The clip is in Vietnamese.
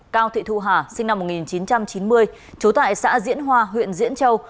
cao thị thu hà sinh năm một nghìn chín trăm chín mươi trú tại xã diễn hoa huyện diễn châu